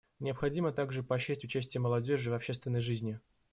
Необходимо также поощрять участие молодежи в общественной жизни.